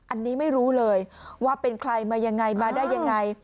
อันนี้ไม่รู้เลยว่าเป็นใครมายังไงมาได้ยังไง